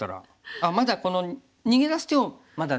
あっまだこの逃げ出す手をまだ狙っていると。